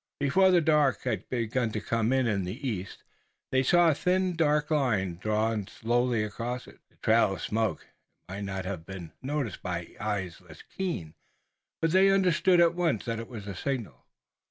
Before the dark had begun to come in the east they saw a thin dark line drawn slowly across it, the trail of smoke. It might not have been noticed by eyes less keen, but they understood at once that it was a signal.